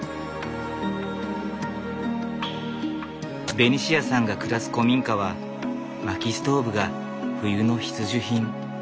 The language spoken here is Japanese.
ベニシアさんが暮らす古民家は薪ストーブが冬の必需品。